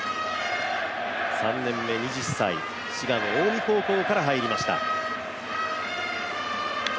３年目、２０歳、滋賀の近江高校から入りました。